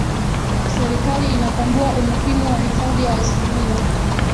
serikali inatambua umuhimu wa hifadhi ya isimila